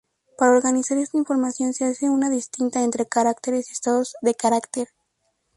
Para organizar esta información se hace una distinción entre "caracteres" y "estados de carácter".